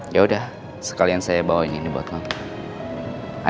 yaudah sekalian saya bawa yang ini buat ngaku